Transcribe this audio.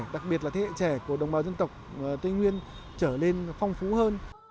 đặc biệt là thế hệ trẻ của đồng bào dân tộc tây nguyên trở lên phong phú hơn